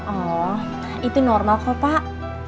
allah itu normal kok pak